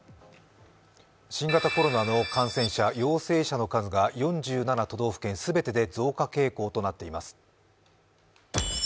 新型コロナの感染者、陽性者の数が４７都道府県全てで増加傾向となっています。